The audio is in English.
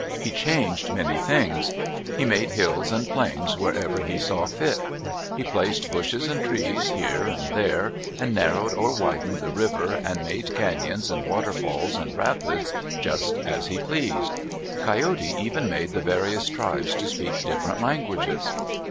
He changed many things. He made hills and plains wherever he saw fit. He placed bushes and trees here and there, and narrowed or widened the river, and made cañons and waterfalls and rapids just as he pleased. Coyote even made the various tribes to speak different languages.